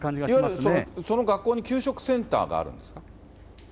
いわゆるその学校に給食センターがあるんですか？